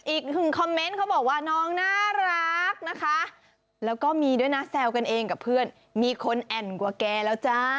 อีกคือคอมเมนต์เขาบอกว่าน้องน่ารักนะคะ